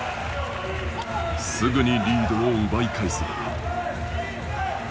すぐにリードを奪い返す。